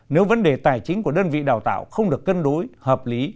nếu vấn đề tài chính của đơn vị đào tạo không được cân đối hợp lý